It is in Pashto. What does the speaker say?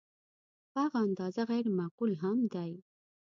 په هغه اندازه غیر معقول هم دی.